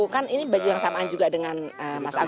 kan ini baju yang sama juga dengan mas agus